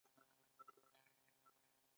څنګه کولی شم د روژې وروسته وزن بېرته نه ډېرېږي